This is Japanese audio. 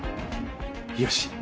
よし。